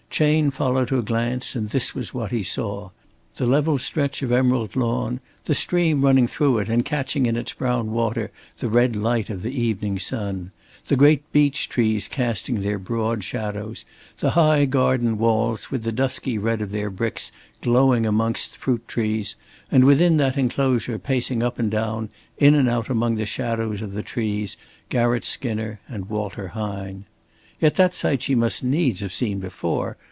Chayne followed her glance and this was what he saw: The level stretch of emerald lawn, the stream running through it and catching in its brown water the red light of the evening sun, the great beech trees casting their broad shadows, the high garden walls with the dusky red of their bricks glowing amongst fruit trees, and within that enclosure pacing up and down, in and out among the shadows of the trees, Garratt Skinner and Walter Hine. Yet that sight she must needs have seen before.